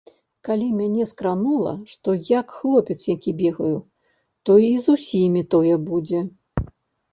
Калі мяне скранула, што, як хлопец які, бегаю, то і з усімі тое будзе.